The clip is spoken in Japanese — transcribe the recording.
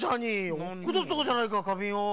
おっことすとこじゃないかかびんを。